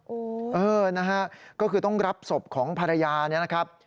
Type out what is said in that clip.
อู๋เออนะครับก็คือต้องรับศพของภรรยานะครับ